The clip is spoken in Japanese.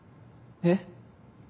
えっ？